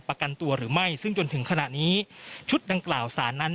ประกันตัวหรือไม่ซึ่งจนถึงขณะนี้ชุดดังกล่าวสารนั้น